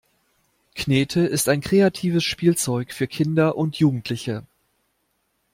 Knete ist ein kreatives Spielzeug für Kinder und Jugendliche.